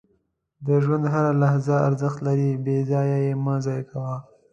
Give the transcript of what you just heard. • د ژوند هره لحظه ارزښت لري، بې ځایه یې مه ضایع کوه.